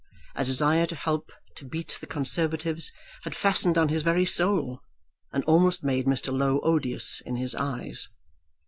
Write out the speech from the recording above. A desire to help to beat the Conservatives had fastened on his very soul, and almost made Mr. Low odious in his eyes.